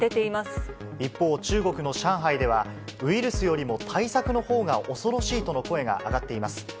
一方、中国の上海では、ウイルスよりも対策のほうが恐ろしいとの声が上がっています。